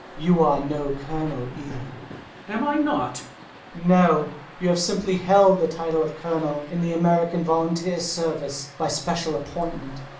You are no colonel, either. Colonel. Am I not? Hummel. No, you have simply held the title of colonel in the American volunteer service by special appointment.